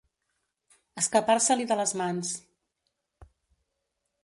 Escapar-se-li de les mans.